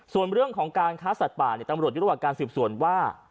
ส่วนเรื่องของการค้าสัตว์ป่าตำรวจอยู่ระหว่างการสืบสวนว่า